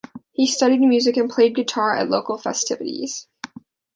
He studied music and played guitar at local festivities.